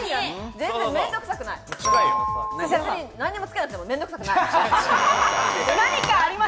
何もつけなくても面倒くさくない。